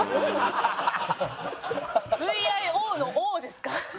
「Ｖ」「Ｉ」「Ｏ」の「Ｏ」ですか？